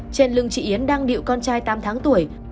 trên lưng chị yến đang điệu con trai tám tháng tuổi